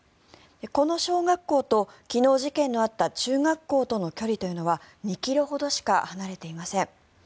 この小学校と昨日事件のあった中学校との距離というのは２ｋｍほどしか離れていません。